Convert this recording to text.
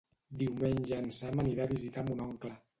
Diumenge en Sam anirà a visitar mon oncle.